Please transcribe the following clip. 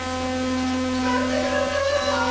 待ってください！